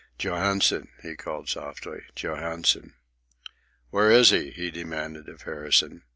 "Johansen!" he called softly. "Johansen!" "Where is he?" he demanded of Harrison.